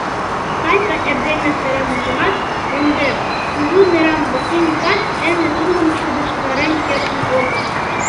Санька эрдене сырымыжымат монден, кужу неран ботинкат ынде тудым шыдештарен кертын огыл.